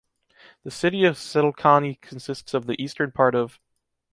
The city of Sedlčany consists of the eastern part of